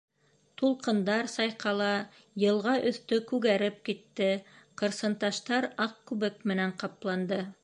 Тулҡындар сайҡала, йылға өҫтө күгәреп китте, ҡырсынташтар аҡ күбек менән ҡапланды.